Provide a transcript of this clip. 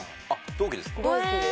同期です。